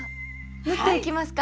縫っていきますか。